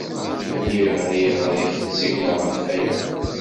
Lliɣ riɣ ad ak-d-ssiwleɣ ɣef waya.